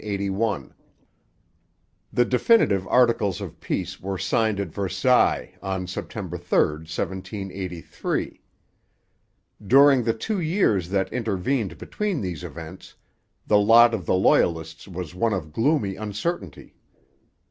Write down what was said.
The definitive articles of peace were signed at Versailles on September 3, 1783. During the two years that intervened between these events, the lot of the Loyalists was one of gloomy uncertainty.